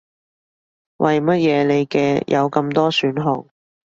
為乜嘢你嘅有咁多選項